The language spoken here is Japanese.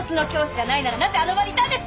なぜあの場にいたんです？